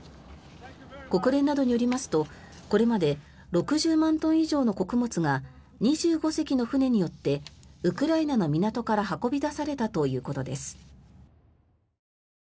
国連などによりますとこれまで６０万トン以上の穀物が２５隻の船によってウクライナの港から運び出されたということです。